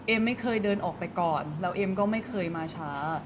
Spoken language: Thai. ไม่เคยเดินออกไปก่อนแล้วเอ็มก็ไม่เคยมาช้า